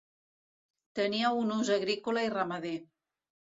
Tenia un ús agrícola i ramader.